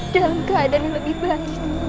dalam keadaan yang lebih baik